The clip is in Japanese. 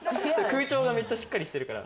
空調がめっちゃしっかりしてるから。